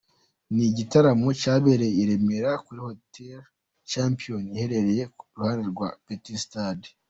Ni igitaramo cyabereye i Remera kuri Hotel Champion iherereye i ruhande rwa Petit Stade .